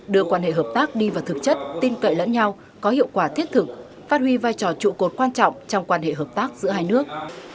đưa quan hệ hợp tác đi vào thực chất tin cậy lẫn nhau có hiệu quả thiết thực phát huy vai trò trụ cột quan trọng trong quan hệ hợp tác giữa hai nước